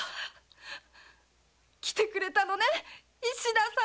来てくれたのね石田様！